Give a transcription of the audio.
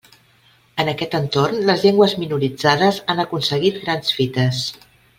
En aquest entorn les llengües minoritzades han aconseguit grans fites.